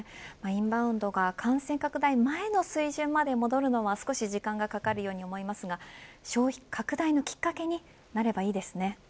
インバウンドが感染拡大前の水準まで戻るのは少し時間がかかると思いますが消費拡大のきっかけになるといいですね。